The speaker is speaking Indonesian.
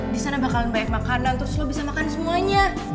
di sana bakal banyak makanan terus lo bisa makan semuanya